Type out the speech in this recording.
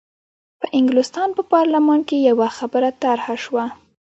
په انګلستان په پارلمان کې یوه خبره طرح شوه.